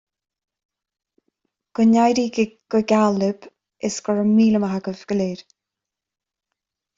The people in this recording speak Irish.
Go n-éirí go geal libh is go raibh míle maith agaibh go léir